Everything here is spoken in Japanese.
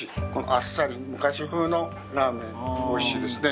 あっさり昔風のラーメンでおいしいですね